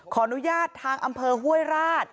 ขออนุญาตทางอำเภอห้วยราช